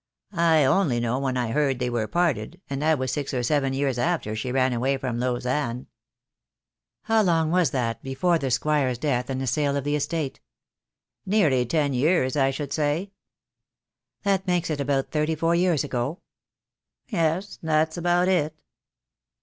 "I only know when I heard they were parted, and that was six or seven years after she ran away from Lau sanne." "How long was that before the Squire's death and the sale of the estate?" "Nearly ten years, I should say." "That makes it about thirty four years ago?" "Yes, that's about it."